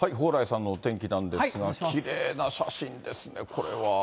蓬莱さんのお天気なんですが、きれいな写真ですね、これは。